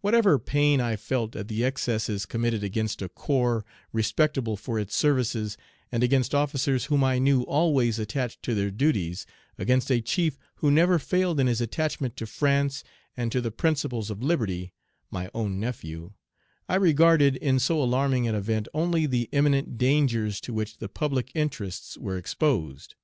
"Whatever pain I felt at the excesses committed against a corps respectable for its services, and against officers whom I knew always attached to their duties, against a chief who never failed in his attachment to France and to the principles of Page 100 liberty, my own nephew, I regarded in so alarming an event only the imminent dangers to which the public interests were exposed.